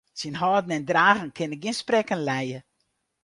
Syn hâlden en dragen kin gjin sprekken lije.